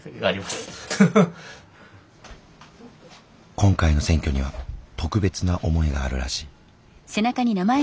今回の選挙には特別な思いがあるらしい。